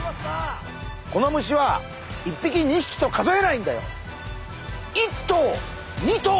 この虫は１匹２匹と数えないんだよ！